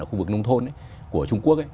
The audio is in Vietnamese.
ở khu vực nông thôn của trung quốc